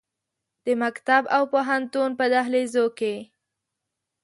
د مکتب او پوهنتون په دهلیزو کې